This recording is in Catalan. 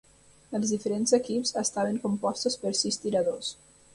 Els diferents equips estaven compostos per sis tiradors.